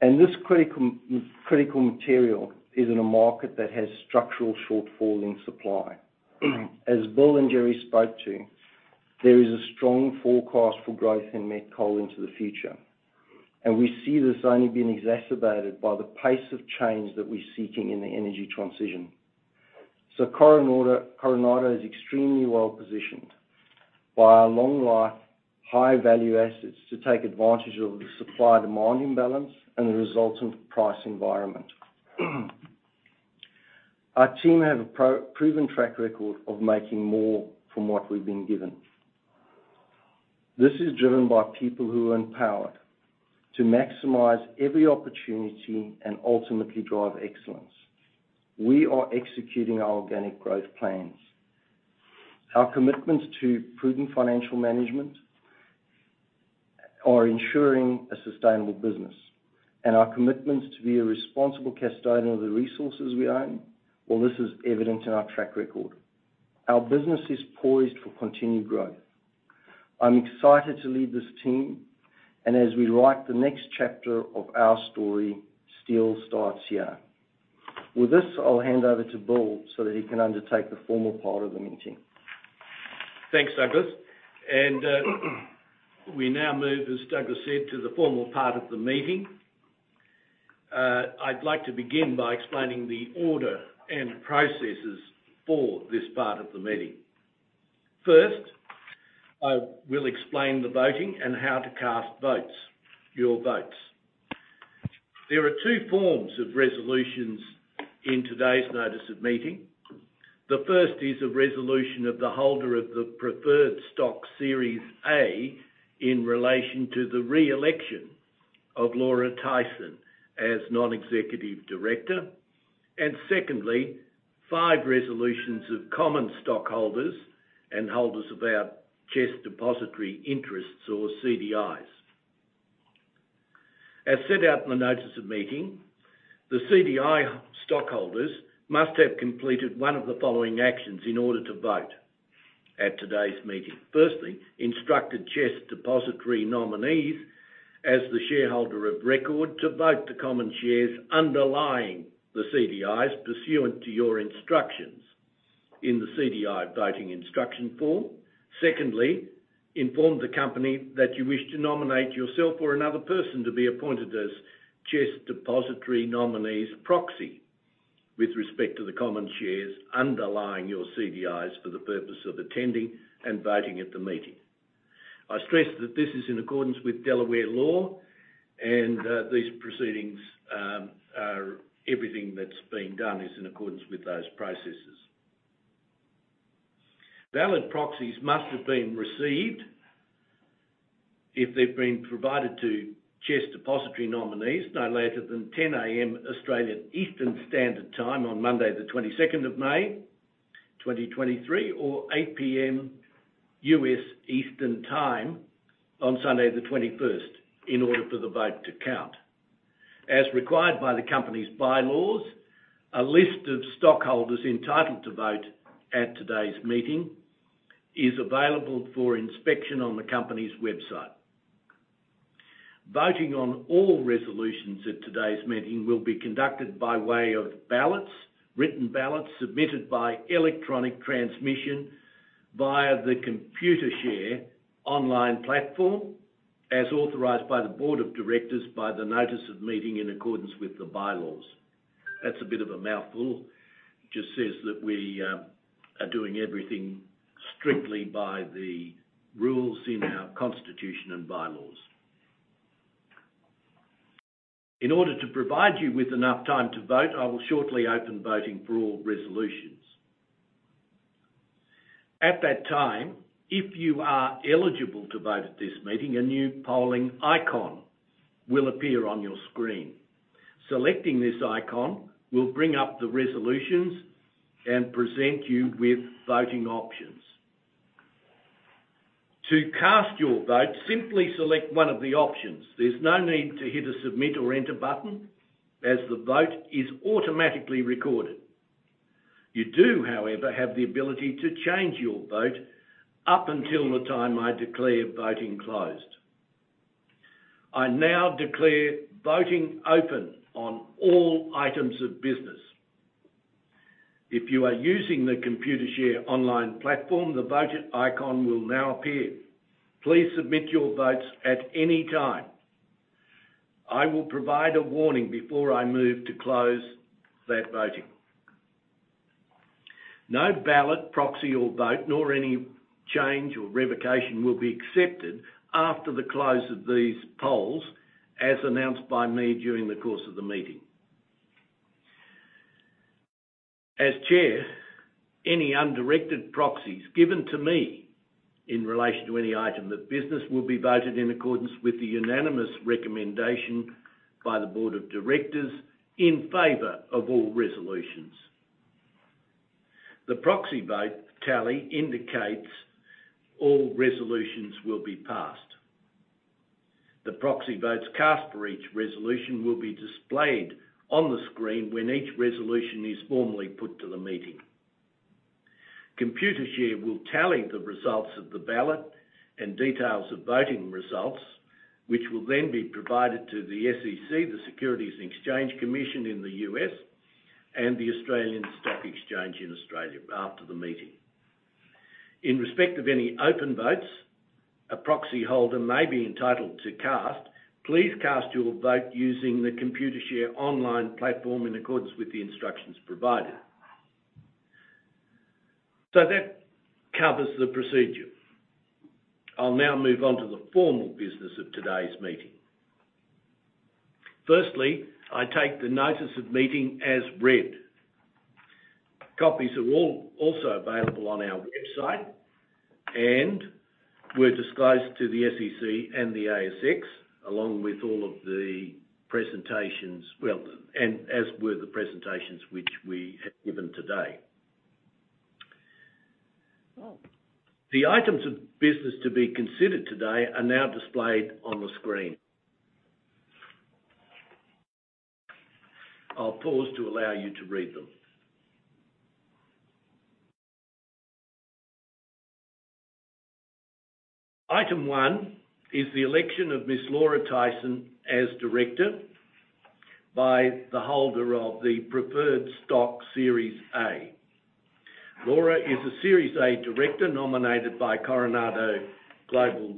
C: This critical material is in a market that has structural shortfall in supply. As Bill and Gerry spoke to, there is a strong forecast for growth in met coal into the future, and we see this only being exacerbated by the pace of change that we're seeking in the energy transition. Coronado is extremely well-positioned by our long life, high-value assets to take advantage of the supply-demand imbalance and the resultant price environment. Our team have a proven track record of making more from what we've been given. This is driven by people who are empowered to maximize every opportunity and ultimately drive excellence. We are executing our organic growth plans. Our commitment to prudent financial management are ensuring a sustainable business and our commitment to be a responsible custodian of the resources we own, well, this is evident in our track record. Our business is poised for continued growth. I'm excited to lead this team, and as we write the next chapter of our story, steel starts here. With this, I'll hand over to Bill so that he can undertake the formal part of the meeting.
A: Thanks, Douglas. We now move, as Douglas said, to the formal part of the meeting. I'd like to begin by explaining the order and processes for this part of the meeting. First, I will explain the voting and how to cast votes, your votes. There are two forms of resolutions in today's notice of meeting. The first is a resolution of the holder of the preferred stock Series A in relation to the re-election of Laura Tyson as non-executive director. Secondly, five resolutions of common stockholders and holders of our CHESS Depositary Interests or CDIs. As set out in the notice of meeting, the CDI stockholders must have completed 1 of the following actions in order to vote at today's meeting. Instructed CHESS Depositary Nominees as the shareholder of record to vote the common shares underlying the CDIs pursuant to your instructions in the CDI voting instruction form. Inform the company that you wish to nominate yourself or another person to be appointed as CHESS Depositary Nominees' proxy with respect to the common shares underlying your CDIs for the purpose of attending and voting at the meeting. I stress that this is in accordance with Delaware law and these proceedings are everything that's been done is in accordance with those processes. Valid proxies must have been received if they've been provided to CHESS Depositary Nominees no later than 10:00 A.M. Australian Eastern Standard Time on Monday the 22nd of May, 2023 or 8:00 P.M. U.S. Eastern Time on Sunday the 21st in order for the vote to count. As required by the company's bylaws, a list of stockholders entitled to vote at today's meeting is available for inspection on the company's website. Voting on all resolutions at today's meeting will be conducted by way of ballots, written ballots submitted by electronic transmission via the Computershare online platform as authorized by the Board of Directors by the notice of meeting in accordance with the bylaws. That's a bit of a mouthful. Just says that we are doing everything strictly by the rules in our constitution and bylaws. In order to provide you with enough time to vote, I will shortly open voting for all resolutions. At that time, if you are eligible to vote at this meeting, a new polling icon will appear on your screen. Selecting this icon will bring up the resolutions and present you with voting options. To cast your vote, simply select one of the options. There's no need to hit a submit or enter button as the vote is automatically recorded. You do, however, have the ability to change your vote up until the time I declare voting closed. I now declare voting open on all items of business. If you are using the Computershare online platform, the voting icon will now appear. Please submit your votes at any time. I will provide a warning before I move to close that voting. No ballot, proxy or vote, nor any change or revocation will be accepted after the close of these polls as announced by me during the course of the meeting. As chair, any undirected proxies given to me in relation to any item of business will be voted in accordance with the unanimous recommendation by the board of directors in favor of all resolutions. The proxy vote tally indicates all resolutions will be passed. The proxy votes cast for each resolution will be displayed on the screen when each resolution is formally put to the meeting. Computershare will tally the results of the ballot and details of voting results, which will then be provided to the SEC, the Securities and Exchange Commission in the U.S. and the Australian Securities Exchange in Australia after the meeting. In respect of any open votes a proxy holder may be entitled to cast, please cast your vote using the Computershare online platform in accordance with the instructions provided. That covers the procedure. I'll now move on to the formal business of today's meeting. Firstly, I take the notice of meeting as read. Copies are also available on our website and were disclosed to the SEC and the ASX along with all of the presentations. Well, as were the presentations which we have given today. The items of business to be considered today are now displayed on the screen. I'll pause to allow you to read them. Item one is the election of Ms. Laura Tyson as director by the holder of the preferred stock Series A. Laura is a Series A director nominated by Coronado Global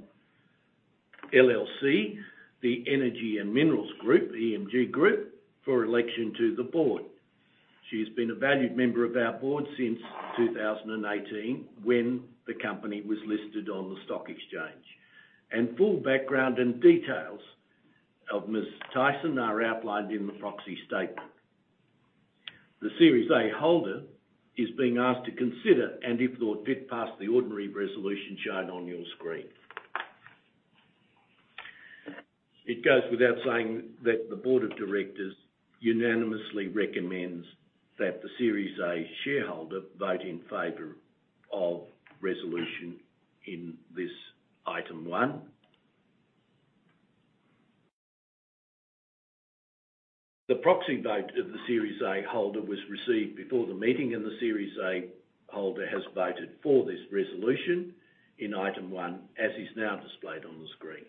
A: LLC, the Energy and Minerals Group, EMG Group, for election to the board. She has been a valued member of our board since 2018 when the company was listed on the stock exchange. Full background and details of Ms. Tyson are outlined in the proxy statement. The series A holder is being asked to consider and if thought fit pass the ordinary resolution shown on your screen. It goes without saying that the board of directors unanimously recommends that the series A shareholder vote in favor of resolution in this item one. The proxy vote of the series A holder was received before the meeting, and the series A holder has voted for this resolution in item one, as is now displayed on the screen.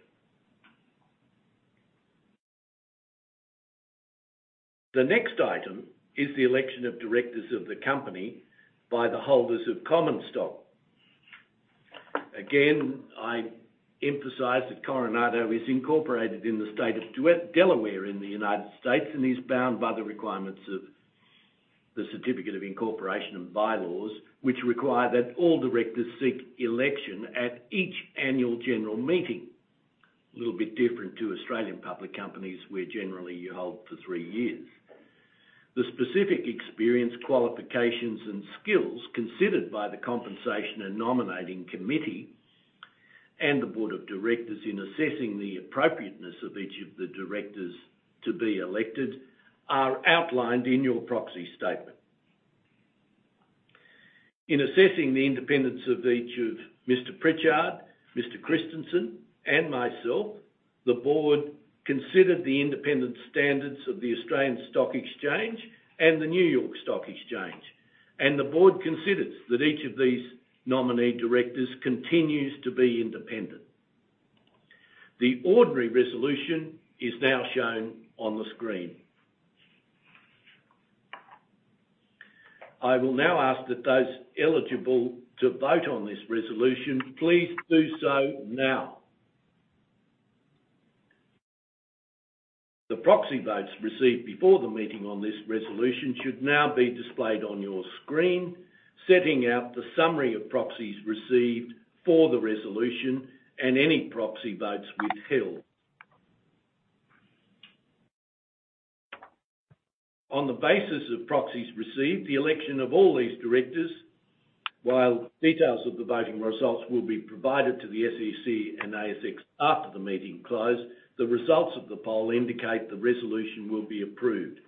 A: The next item is the election of directors of the company by the holders of common stock. Again, I emphasize that Coronado is incorporated in the state of Delaware in the United States and is bound by the requirements of the Certificate of Incorporation and bylaws, which require that all directors seek election at each annual general meeting. A little bit different to Australian public companies, where generally you hold for three years. The specific experience, qualifications and skills considered by the Compensation and Nominating Committee and the board of directors in assessing the appropriateness of each of the directors to be elected are outlined in your proxy statement. In assessing the independence of each of Mr. Pritchard, Mr. Christensen and myself, the board considered the independent standards of the Australian Securities Exchange and the New York Stock Exchange. The board considers that each of these nominee directors continues to be independent. The ordinary resolution is now shown on the screen. I will now ask that those eligible to vote on this resolution, please do so now. The proxy votes received before the meeting on this resolution should now be displayed on your screen, setting out the summary of proxies received for the resolution and any proxy votes withheld. On the basis of proxies received, the election of all these directors, while details of the voting results will be provided to the SEC and ASX after the meeting closed, the results of the poll indicate the resolution will be approved.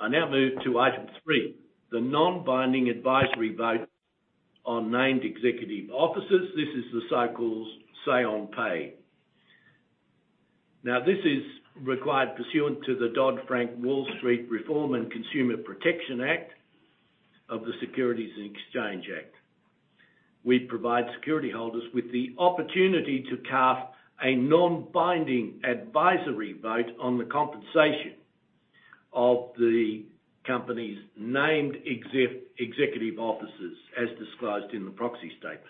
A: I now move to item three, the non-binding advisory vote on named executive officers. This is the so-called Say on Pay. Now this is required pursuant to the Dodd-Frank Wall Street Reform and Consumer Protection Act of the Securities and Exchange Act. We provide security holders with the opportunity to cast a non-binding advisory vote on the compensation of the company's named executive officers, as disclosed in the proxy statement.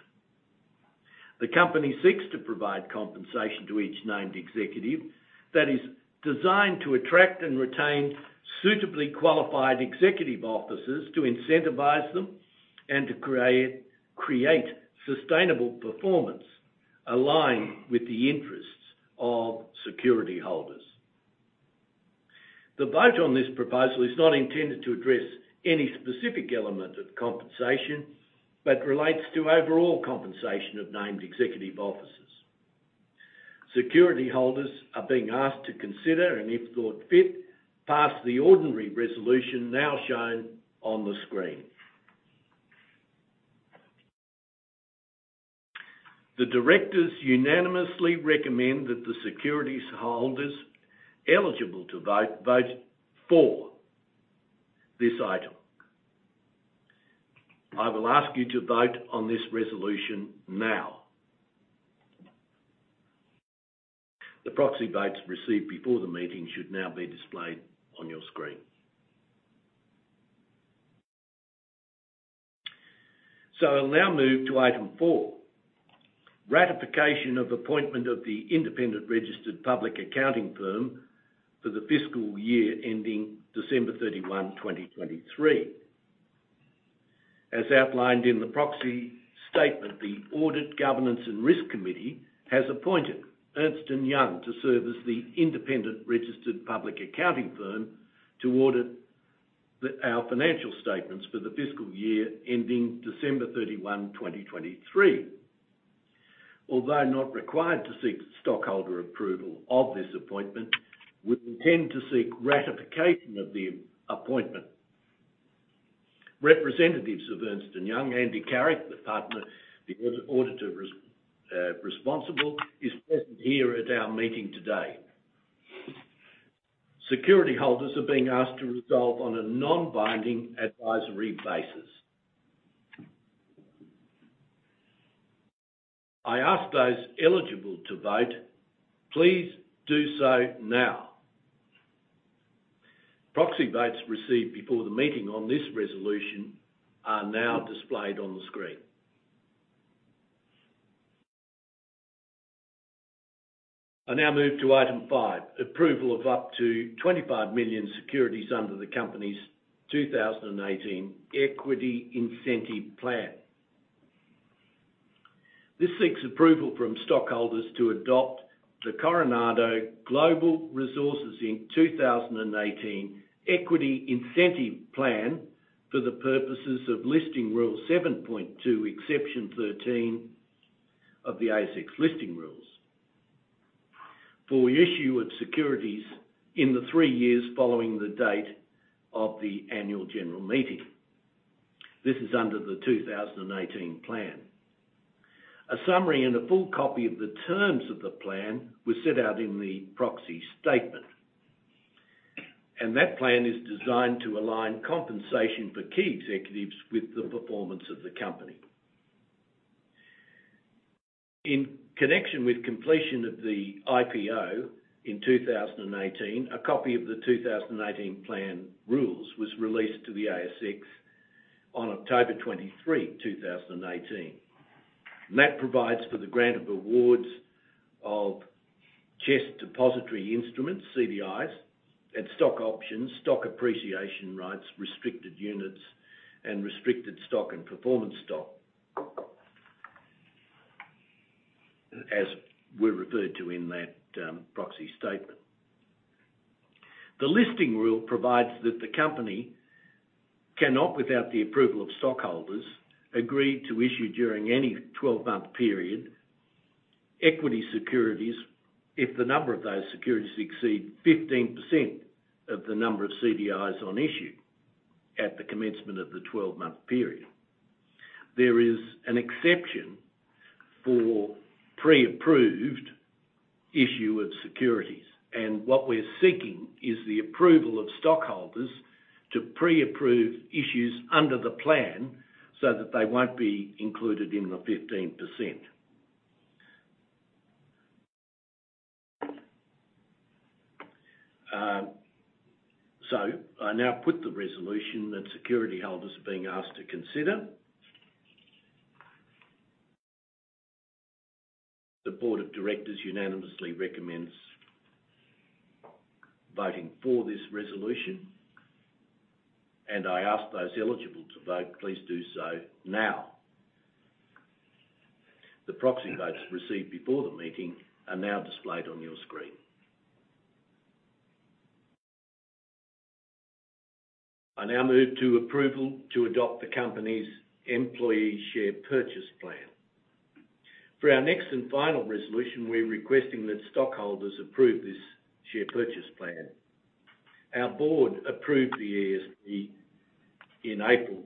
A: The company seeks to provide compensation to each named executive that is designed to attract and retain suitably qualified executive officers to incentivize them and to create sustainable performance aligned with the interests of security holders. The vote on this proposal is not intended to address any specific element of compensation, but relates to overall compensation of named executive officers. Security holders are being asked to consider, and if thought fit, pass the ordinary resolution now shown on the screen. The directors unanimously recommend that the securities holders eligible to vote for this item. I will ask you to vote on this resolution now. The proxy votes received before the meeting should now be displayed on your screen. I'll now move to Item four, ratification of appointment of the independent registered public accounting firm for the fiscal year ending December 31, 2023. As outlined in the proxy statement, the Audit, Governance and Risk Committee has appointed Ernst & Young to serve as the independent registered public accounting firm to audit our financial statements for the fiscal year ending December 31, 2023. Although not required to seek stockholder approval of this appointment, we intend to seek ratification of the appointment. Representatives of Ernst & Young, Andy Carrick, the partner, the auditor responsible, is present here at our meeting today. Security holders are being asked to resolve on a non-binding advisory basis. I ask those eligible to vote, please do so now. Proxy votes received before the meeting on this resolution are now displayed on the screen. I now move to item five, approval of up to 25 million securities under the company's 2018 Equity Incentive Plan. This seeks approval from stockholders to adopt the Coronado Global Resources Inc 2018 Equity Incentive Plan for the purposes of Listing Rule 7.2, Exception 13 of the ASX Listing Rules. For the issue of securities in the three years following the date of the annual general meeting. This is under the 2018 plan. A summary and a full copy of the terms of the plan were set out in the proxy statement. That plan is designed to align compensation for key executives with the performance of the company. In connection with completion of the IPO in 2018, a copy of the 2018 plan rules was released to the ASX on October 23, 2018. That provides for the grant of awards of CHESS Depositary Instruments, CDIs, and stock options, stock appreciation rights, restricted units, and restricted stock and performance stock, as we referred to in that proxy statement. The listing rule provides that the company cannot, without the approval of stockholders, agree to issue during any 12-month period, equity securities if the number of those securities exceed 15% of the number of CDIs on issue at the commencement of the 12-month period. There is an exception for pre-approved issue of securities, and what we're seeking is the approval of stockholders to pre-approve issues under the plan so that they won't be included in the 15%. I now put the resolution that security holders are being asked to consider. The Board of Directors unanimously recommends voting for this resolution. I ask those eligible to vote, please do so now. The proxy votes received before the meeting are now displayed on your screen. I now move to approval to adopt the company's Employee Share Purchase Plan. For our next and final resolution, we're requesting that stockholders approve this Share Purchase Plan. Our Board approved the ESP in April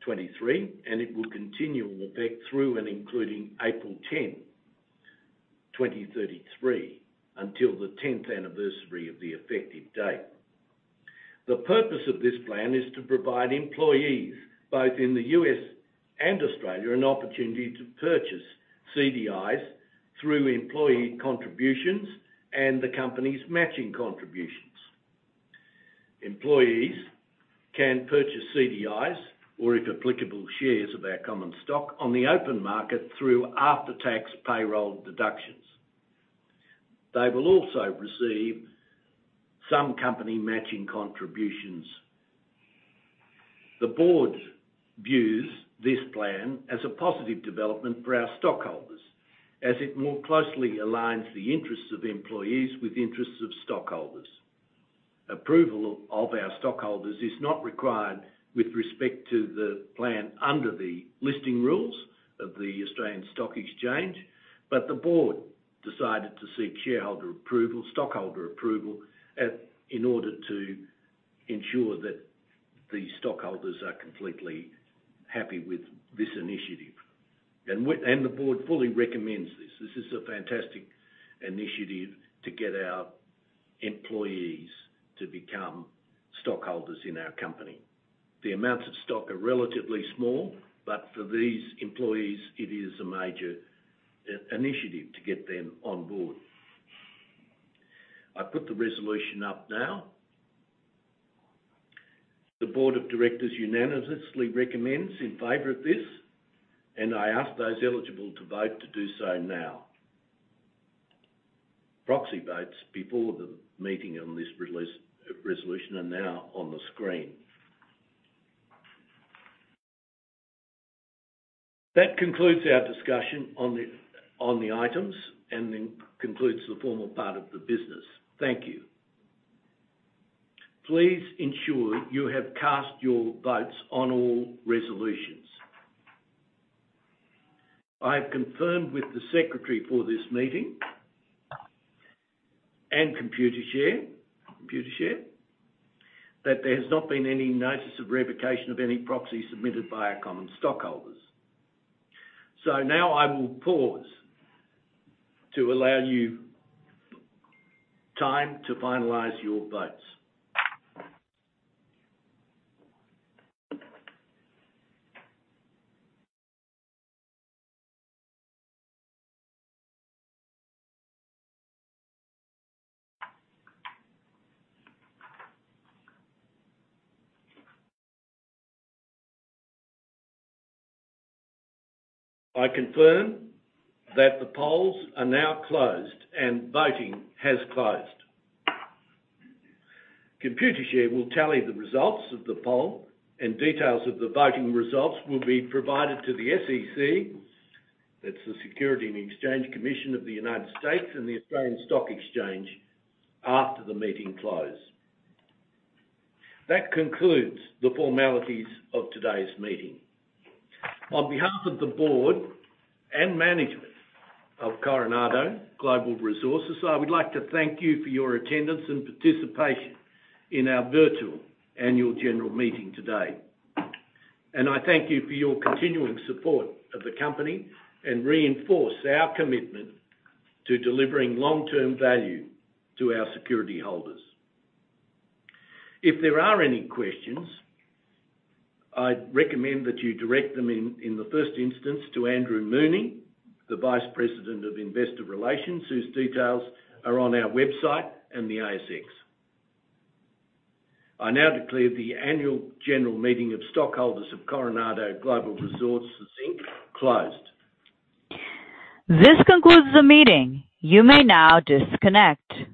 A: 2023, and it will continue in effect through and including April 10, 2033, until the 10th anniversary of the effective date. The purpose of this plan is to provide employees, both in the U.S. and Australia, an opportunity to purchase CDIs through employee contributions and the company's matching contributions. Employees can purchase CDIs, or if applicable, shares of our common stock, on the open market through after-tax payroll deductions. They will also receive some company matching contributions. The board views this plan as a positive development for our stockholders as it more closely aligns the interests of employees with the interests of stockholders. Approval of our stockholders is not required with respect to the plan under the listing rules of the Australian Securities Exchange. The board decided to seek shareholder approval, stockholder approval, in order to ensure that the stockholders are completely happy with this initiative. The board fully recommends this. This is a fantastic initiative to get our employees to become stockholders in our company. The amounts of stock are relatively small, but for these employees, it is a major initiative to get them on board. I put the resolution up now. The board of directors unanimously recommends in favor of this, and I ask those eligible to vote to do so now. Proxy votes before the meeting on this resolution are now on the screen. That concludes our discussion on the, on the items and then concludes the formal part of the business. Thank you. Please ensure you have cast your votes on all resolutions. I have confirmed with the secretary for this meeting and Computershare that there has not been any notice of revocation of any proxies submitted by our common stockholders. Now I will pause to allow you time to finalize your votes. I confirm that the polls are now closed, and voting has closed. Computershare will tally the results of the poll, and details of the voting results will be provided to the SEC, that's the Securities and Exchange Commission of the United States, and the Australian Securities Exchange after the meeting close. That concludes the formalities of today's meeting. On behalf of the board and management of Coronado Global Resources, I would like to thank you for your attendance and participation in our virtual annual general meeting today. I thank you for your continuing support of the company and reinforce our commitment to delivering long-term value to our security holders. If there are any questions, I'd recommend that you direct them in the first instance to Andrew Mooney, the Vice President of Investor Relations, whose details are on our website and the ASX. I now declare the annual general meeting of stockholders of Coronado Global Resources Inc. closed.
E: This concludes the meeting. You may now disconnect.